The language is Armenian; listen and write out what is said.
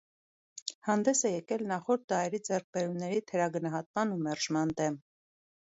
Հանդես է եկել նախորդ դարերի ձեռքբերումների թերագնահատման ու մերժման դեմ։